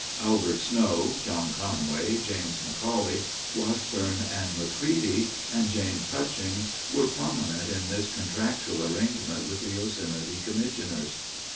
Albert Snow, John Conway, James McCauley, Washburn and McCready, and James Hutchings were prominent in this contractual arrangement with the Yosemite commissioners.